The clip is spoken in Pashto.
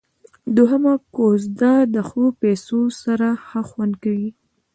دوهمه کوزده د ښو پيسو سره ښه خوند کيي.